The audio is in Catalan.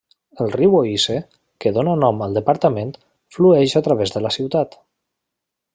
El riu Oise, que dóna nom al departament, flueix a través de la ciutat.